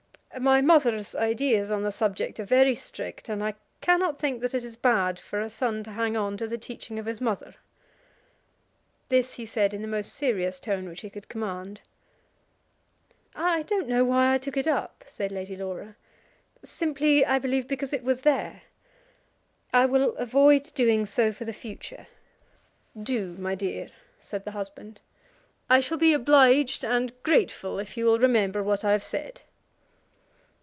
My mother's ideas on the subject are very strict, and I cannot think that it is bad for a son to hang on to the teaching of his mother." This he said in the most serious tone which he could command. "I don't know why I took it up," said Lady Laura. "Simply, I believe, because it was there. I will avoid doing so for the future." "Do, my dear," said the husband. "I shall be obliged and grateful if you will remember what I have said."